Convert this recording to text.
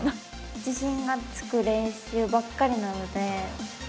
自信がつく練習ばっかりなので。